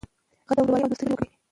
هغه د ورورولۍ او دوستۍ خبرې وکړې.